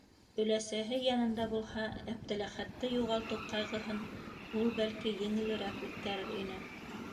Өләсәһе янында булһа, Әптеләхәтте юғалтыу ҡайғыһын ул, бәлки, еңелерәк үткәрер ине.